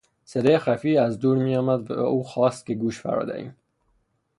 صدای خفیفی از دور میآمد و او خواست که گوش فرا دهیم.